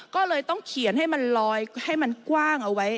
ก็เลยต้องเขียนให้มันลอยให้มันกว้างเอาไว้